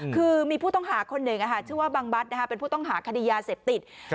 คือมีผู้ต้องหาคนหนึ่งชื่อว่าบังบัตรเป็นผู้ต้องหาคดียาเสพติด